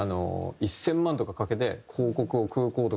１０００万とかかけて広告を空港とかに出すんですよ。